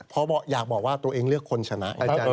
เพราะอยากบอกว่าตัวเองเลือกคนชนะ